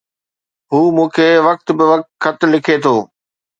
هو مون کي وقت بوقت خط لکي ٿو